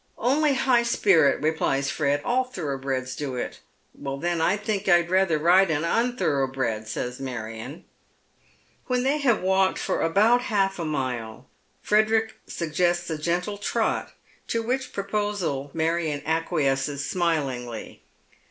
" Only high spirit," replies Fred, " all thoroughbreds do it." "Then I think I'd rather ride an unthorough bred," says Marion. When they have walked for about half a mile Frederick Buggesits a gentle trot, to which proposal Marion acquiesces smilingly.